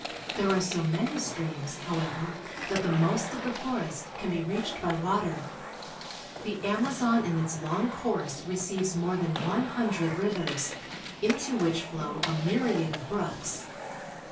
There are so many streams, however, that the most of the forest can be reached by water. The Amazon in its long course receives more than one hundred rivers, into which flow a myriad of brooks.